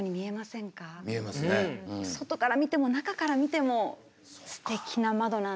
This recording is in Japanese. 外から見ても中から見てもすてきな窓なんです。